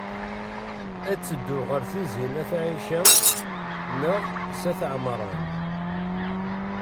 Ad teddu ɣer Tizi n at Ɛica neɣ s at Ɛemṛan?